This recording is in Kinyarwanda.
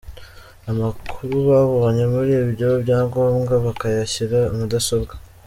Amakuru babonye muri ibyo byangombwa bakayashyira mudasobwa.